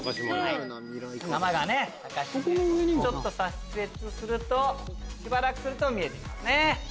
（玉川島屋ちょっと左折するとしばらくすると見えて来ますね。